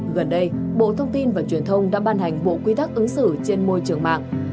gần đây bộ thông tin và truyền thông đã ban hành bộ quy tắc ứng xử trên môi trường mạng